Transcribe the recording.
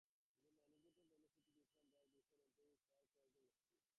The magnitude of the velocity difference just before impact is called the closing speed.